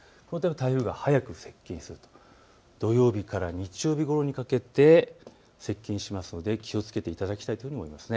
台風が速く接近すると土曜日から日曜日ごろにかけて接近しますので、気をつけていただきたいと思います。